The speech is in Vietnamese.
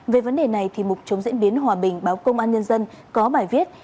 về vấn đề này mục chống diễn biến hòa bình báo công an nhân dân có bài viết